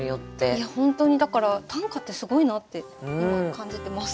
いや本当にだから短歌ってすごいなって今感じてます。